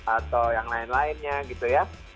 atau yang lain lainnya gitu ya